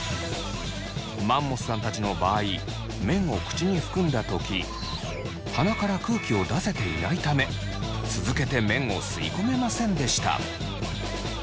マンモスさんたちの場合麺を口に含んだ時鼻から空気を出せていないため続けて麺を吸い込めませんでした。